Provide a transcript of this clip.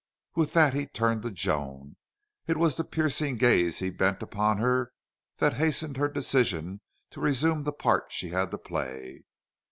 With that he turned to Joan. It was the piercing gaze he bent upon her that hastened her decision to resume the part she had to play.